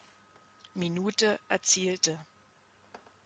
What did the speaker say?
Minute, erzielte.